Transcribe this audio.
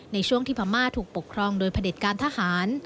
ในช่วงที่พม่าถูกปกครองโดยพระเด็จการทหาร